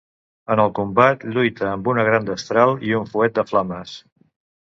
En el combat lluita amb una gran destral i un fuet de flames.